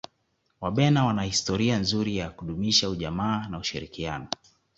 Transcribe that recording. wabena wana historia nzuri ya kudumisha ujamaa na ushirikiano